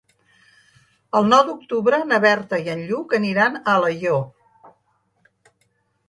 El nou d'octubre na Berta i en Lluc aniran a Alaior.